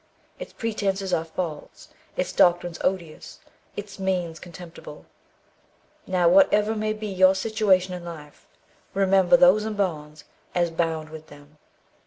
Its pretences are false, its doctrines odious, its means contemptible. Now, whatever may be your situation in life, 'Remember those in bonds as bound with them.'